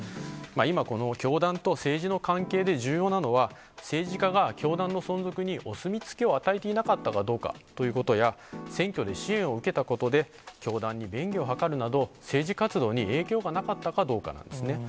今、この教団と政治の関係で重要なのは、政治家が教団の存続に、お墨付きを与えていなかったかどうかということや、選挙の支援を受けたことで、教団に便宜を図るなど、政治活動に影響がなかったかどうかなんですね。